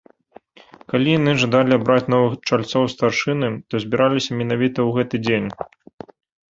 Калі яны жадалі абраць новых чальцоў старшыны, то збіраліся менавіта ў гэты дзень.